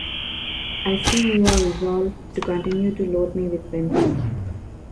I see you are resolved to continue to load me with benefits.